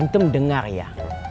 ustadz dengar ya